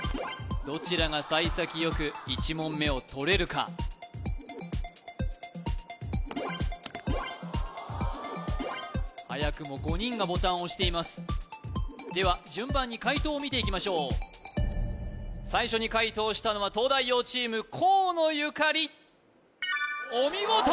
どちらがさい先よく１問目をとれるか早くも５人がボタンを押していますでは順番に解答を見ていきましょう最初に解答したのは東大王チーム河野ゆかりお見事！